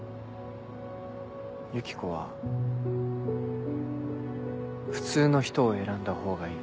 ユキコは普通の人を選んだほうがいい。